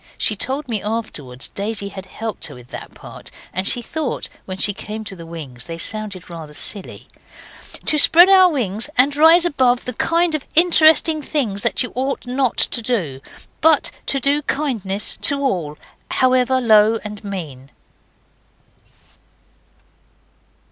She told me afterwards Daisy had helped her with that part, and she thought when she came to the wings they sounded rather silly 'to spread our wings and rise above the kind of interesting things that you ought not to do, but to do kindnesses to all, however low and mean.